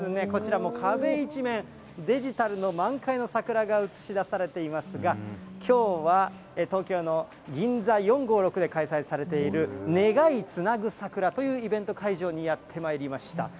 こちらもう、壁一面、デジタルの満開の桜が映し出されていますが、きょうは東京のギンザ４５６で開催されている願いツナグサクラというイベント会場にやってまいりました。